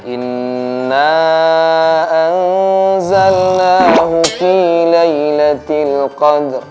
inna anzalna fi laylatul qadar